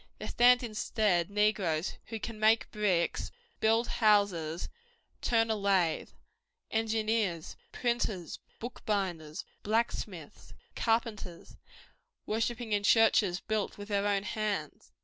There stand instead negroes who cap make bricks, build houses, turn a lathe; engineers, printers, bookbinders, blacksmiths, carpenters, worshipping in churches built with their own hands.